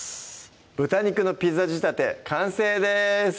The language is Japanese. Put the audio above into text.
「豚肉のピザ仕立て」完成です